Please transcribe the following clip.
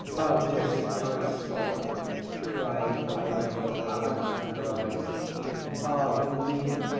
"How disgraceful!" cried Pyotr Alexandrovitch. "Pardon me!"